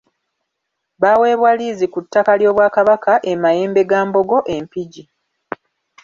Baaweebwa liizi ku ttaka ly’Obwakabaka e Mayembegambogo e Mpigi.